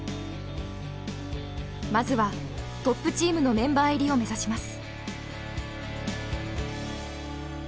まずはトップチームのメンバー入りを目指します。